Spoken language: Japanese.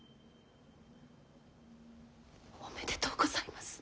おめでとうございます。